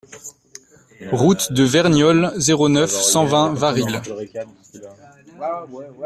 Route de Verniolle, zéro neuf, cent vingt Varilhes